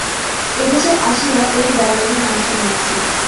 এদেশে আসিয়া ঐ ব্যারামের নাম শুনিয়াছি।